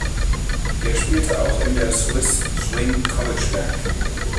Er spielte auch in der "Swiss Swing College Band".